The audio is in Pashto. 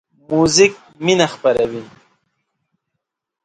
موزیک مینه خپروي.